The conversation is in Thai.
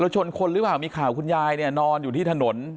ชนคนหรือเปล่ามีข่าวคุณยายเนี่ยนอนอยู่ที่ถนน